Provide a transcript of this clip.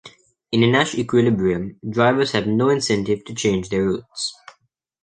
In a Nash equilibrium, drivers have no incentive to change their routes.